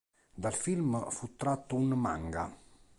Dal film fu tratto un manga.